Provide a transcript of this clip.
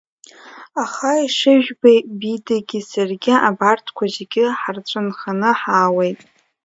Аха ишыжәбо, Бидагьы саргьы абарҭқәа зегь ҳарцәынханы ҳаауеит…